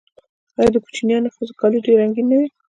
آیا د کوچیانیو ښځو کالي ډیر رنګین نه وي؟